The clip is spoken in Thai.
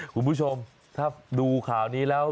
คุณผู้ชมถ้าดูข่าวนี้แล้ว